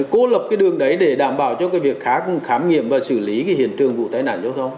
cô lập cái đường đấy để đảm bảo cho cái việc khác khám nghiệm và xử lý cái hiện trường vụ tai nạn giao thông